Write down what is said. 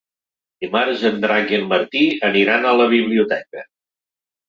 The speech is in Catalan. Dimarts en Drac i en Martí aniran a la biblioteca.